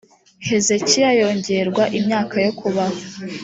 hezekiya yongerwa imyaka yo kubaho